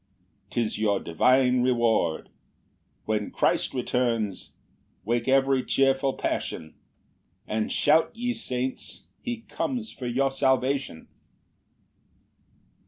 'tis your divine reward:" When Christ returns, wake every cheerful passion, And shout, ye saints; he comes for your salvation.